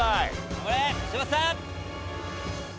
頑張れ柴田さん！